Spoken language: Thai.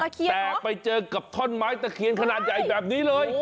แต่ไปเจอกับท่อนไม้ตะเคียนขนาดใหญ่แบบนี้เลย